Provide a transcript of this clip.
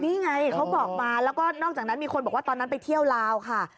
นี่ไงเขาบอกมาแล้วก็นอกจากนั้นมีคนบอกว่าตอนนั้นไปเที่ยวลาวค่ะ